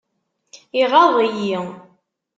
Iɣaḍ-iyi.